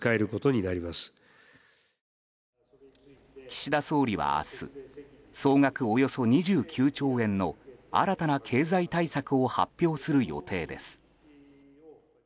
岸田総理は明日総額およそ２９兆円の新たな経済対策を発表する予定です。